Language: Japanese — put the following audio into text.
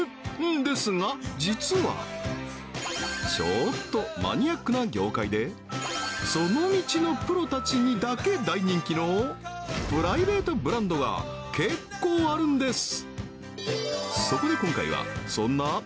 んですが実はちょっとマニアックな業界でその道のプロたちにだけ大人気のプライベートブランドが結構あるんです